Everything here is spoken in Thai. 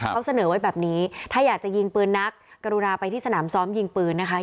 เขาเสนอไว้แบบนี้ถ้าอยากจะยิงปืนนักกรุณาไปที่สนามซ้อมยิงปืนนะคะ